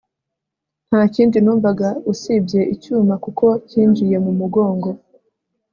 nta kindi numvaga usibye icyuma kuko cyinjiye mu mugongo